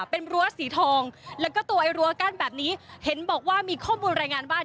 เป็นรั้วสีทองแล้วก็ตัวไอ้รั้วกั้นแบบนี้เห็นบอกว่ามีข้อมูลรายงานว่า